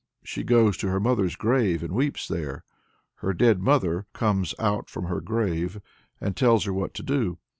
She goes to her mother's grave and weeps there. Her dead mother "comes out from her grave," and tells her what to do.